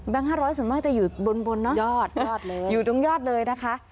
แบงค์ห้าร้อยส่วนมากจะอยู่บนบนเนอะยอดยอดเลยอยู่ตรงยอดเลยนะคะ